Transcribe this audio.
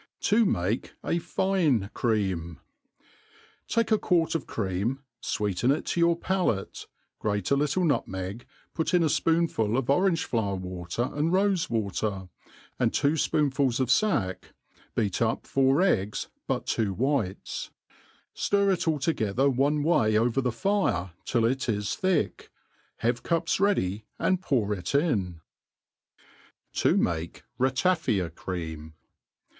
To maki a fine Cream. TAKE a quart of cream, fweeten it to your palitc, grate » Rttle nutmeg, put in a fpoonful of orange flower water and rofe* water, and two fpoonfuls of fack, beat up four eggs, but two whites; ftir it all together one way over the fire till it is thick *, have cti^a ready, and pour it in» » To make Ratafia^Creatn.